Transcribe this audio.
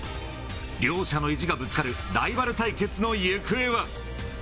両者の意地がぶつかるライバル対決の行方は。